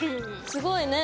すごいね。